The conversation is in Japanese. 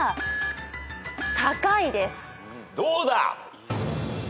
どうだ？